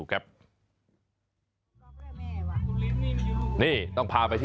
คล้องกิน